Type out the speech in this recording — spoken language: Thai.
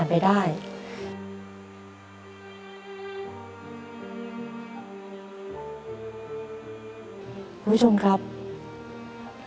นึกแล้วจะพอมาแล้ว